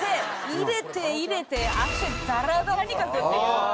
入れて入れて汗だらだらにかくっていう。